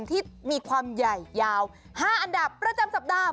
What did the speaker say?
ที่มีความใหญ่ยาว๕อันดับประจำสัปดาห์